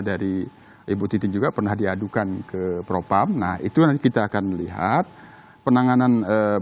dari ibu titi juga pernah diadukan ke propam nah itu nanti kita akan lihat penanganan